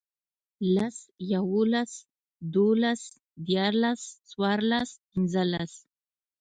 لس، يوولس، دوولس، ديارلس، څوارلس، پينځلس